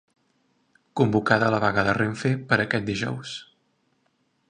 Convocada la vaga de Renfe per a aquest dijous.